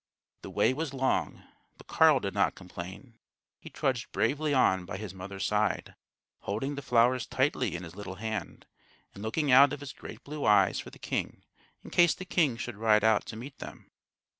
The way was long, but Carl did not complain. He trudged bravely on by his mother's side, holding the flowers tightly in his little hand, and looking out of his great blue eyes for the king, in case the king should ride out to meet them.